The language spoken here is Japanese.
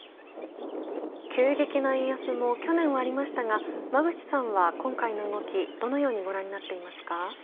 急激な円安も去年はありましたが馬渕さんは今回の動きどのようにご覧になっていますか。